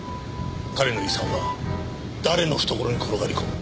彼の遺産は誰の懐に転がり込む？